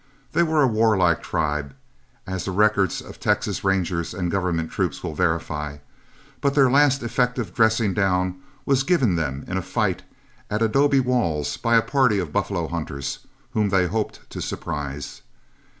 They were a warlike tribe, as the records of the Texas Rangers and government troops will verify, but their last effective dressing down was given them in a fight at Adobe Walls by a party of buffalo hunters whom they hoped to surprise.